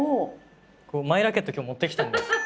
マイラケット今日持ってきたんだよ。